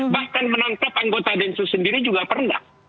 bahkan menangkap anggota densus sendiri juga pernah